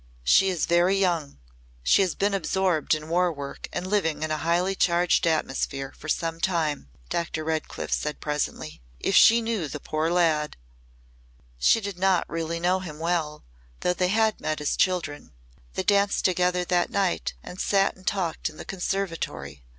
"She is very young. She has been absorbed in war work and living in a highly charged atmosphere for some time." Dr. Redcliff said presently, "If she knew the poor lad " "She did not really know him well, though they had met as children. They danced together that night and sat and talked in the conservatory.